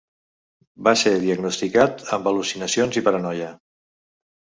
Va ser diagnosticat amb al·lucinacions i paranoia.